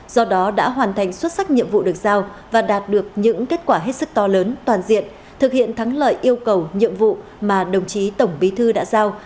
do đó đã hoàn thành xuất sắc nhiệm vụ được giao và đạt được những kết quả hết sức to lớn toàn diện thực hiện thắng lợi yêu cầu nhiệm vụ mà đồng chí tổng bí thư đã giao